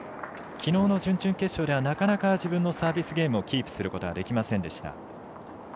きのうの準々決勝ではなかなか自分のサービスゲームをキープすることはできませんでした。